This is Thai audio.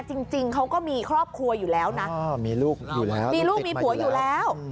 จริงเขาก็มีครอบครัวอยู่แล้วนะมีลูกอยู่แล้วมีลูกมีผัวอยู่แล้ว